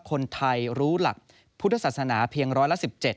คนไทยรู้หลักพุทธศาสนาเพียงร้อยละ๑๗